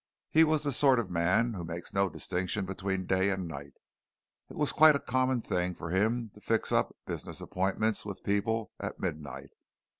He was the sort of man who makes no distinction between day and night it was quite a common thing for him to fix up business appointments with people at midnight.